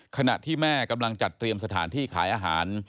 ขณะที่แม่กำลังจัดเตรียมสถานที่ขายอาหาร